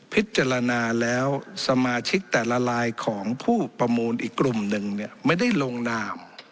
พิจารณาแล้วสมาชิกแต่ละลายของผู้ประมูลอีกกลุ่มหนึ่งเนี่ยไม่ได้ลงนาม